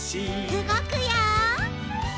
うごくよ！